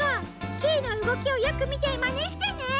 キイのうごきをよくみてまねしてね。